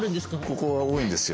ここは多いんですよ